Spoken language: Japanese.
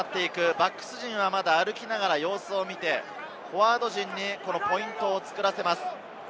バックス陣はまだ歩きながら様子を見て、フォワード陣にポイントを作らせます。